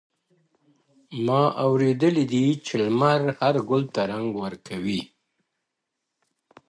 ما اورېدلي دې چي لمر هر گل ته رنگ ورکوي ـ